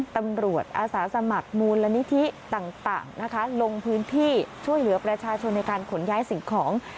อาสาสมัครมูลนิธิต่างนะคะลงพื้นที่ช่วยเหลือประชาชนในการขนย้ายสิ่งของ